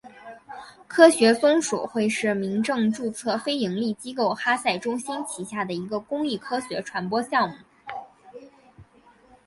科学松鼠会是民政注册非营利机构哈赛中心旗下的一个公益科学传播项目。